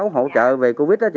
hỗ trợ về covid đó chị